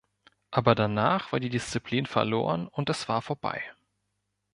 Aber danach war die Disziplin verloren und es war vorbei.